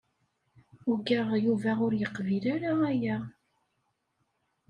Ugaɣ Yuba ur yeqbil ara aya.